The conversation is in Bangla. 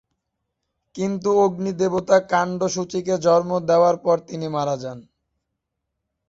কিন্তু অগ্নি দেবতা কাগু-সুচিকে জন্ম দেওয়ার পর তিনি মারা যান।